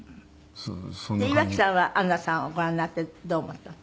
岩城さんはアンナさんをご覧になってどう思ったの？